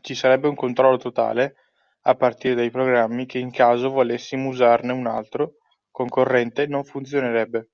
Ci sarebbe un controllo totale a partire dai programmi che in caso volessimo usarne un altro (concorrente) non funzionerebbe.